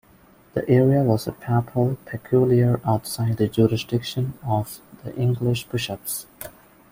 The area was a papal peculiar outside the jurisdiction of the English bishops.